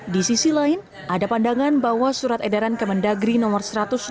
di sisi lain ada pandangan bahwa surat edaran kemendagri nomor satu ratus dua puluh